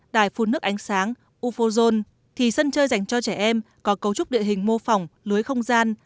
đài phun nước ánh sáng ufozone thì sân chơi dành cho trẻ em có cấu trúc địa hình mô phỏng lưới không gian